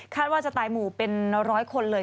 คาดว่าจะตายหมู่เป็น๑๐๐คนเลย